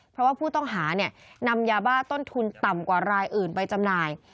เพราะว่าผู้ต้องหานำยาบ้าต้นทุนต่ำกว่ารายอื่นไปจำหน่าย